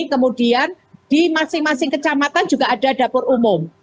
kemudian di masing masing kecamatan juga ada dapur umum